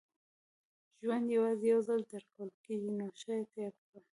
• ژوند یوازې یو ځل درکول کېږي، نو ښه یې تېر کړه.